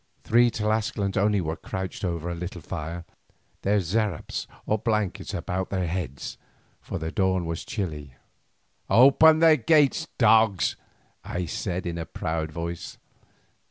Three Tlascalans only were crouched over a little fire, their zerapes or blankets about their heads, for the dawn was chilly. "Open the gates, dogs!" I said in a proud voice.